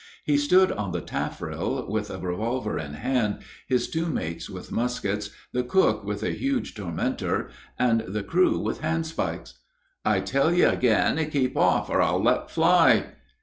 He stood on the taff rail with a revolver in hand, his two mates with muskets, the cook with a huge tormentor, and the crew with handspikes. "I tell you again, keep off, or I'll let fly."